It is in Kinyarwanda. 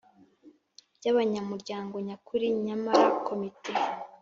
By Abanyamuryango Nyakuri Nyamara Komite